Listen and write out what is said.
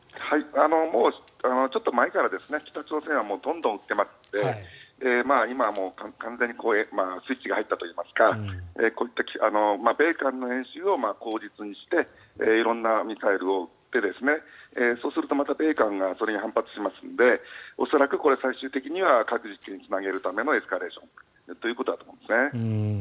もうちょっと前から北朝鮮はどんどん撃っていますので今、完全にスイッチが入ったといいますかこういった米韓の演習を口実にして色んなミサイルを撃ってそうするとまた米韓がそれに反発しますので恐らく最終的には核実験につなげるためのエスカレーションということだと思います。